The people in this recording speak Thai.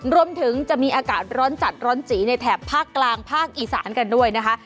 รวมถึงจะมีอากาศร้อนจัดร้อนจีในแถบภาคกลางภาคอีสานกันด้วยนะคะ